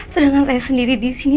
sedangkan saya sendiri disini